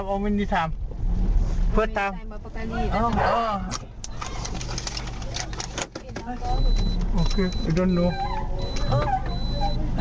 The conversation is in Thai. โอ้วผมไม่เห็นนะพี่